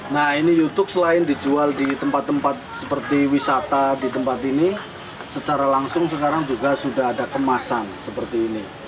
nah ini youtube selain dijual di tempat tempat seperti wisata di tempat ini secara langsung sekarang juga sudah ada kemasan seperti ini